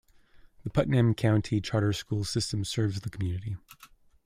The Putnam County Charter School System serves the community.